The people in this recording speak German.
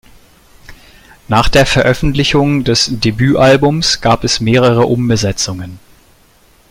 Nach der Veröffentlichung des Debütalbums gab es mehrere Umbesetzungen.